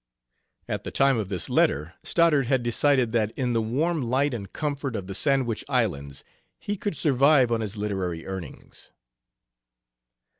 At the time of this letter, Stoddard had decided that in the warm light and comfort of the Sandwich Islands he could survive on his literary earnings.